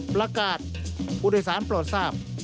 ประกาศผู้โดยสารปลอดทราบ